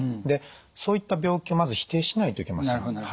でそういった病気をまず否定しないといけません。